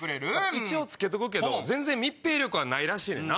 一応付けとくけど全然密閉力はないらしいねんな。